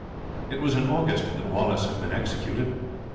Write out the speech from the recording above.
It was in August that Wallace had been executed.